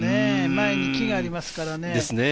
前に木がありますからね。